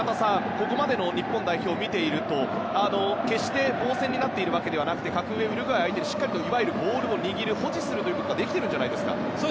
ここまでの日本代表を見ていると決して防戦になっているわけではなくて格上のウルグアイ相手にいわゆるボールを握る保持するということができているんじゃないですか？